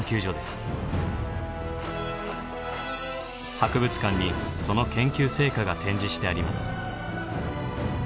博物館にその研究成果が展示してあります。